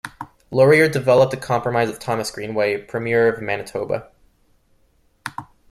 Laurier developed a compromise with Thomas Greenway, Premier of Manitoba.